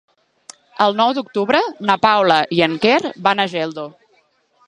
El nou d'octubre na Paula i en Quer van a Geldo.